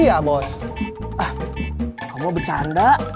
ah kamu mau bercanda